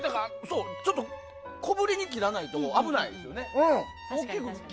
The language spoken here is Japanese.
ちょっと小ぶりに切らないと危ないですよね。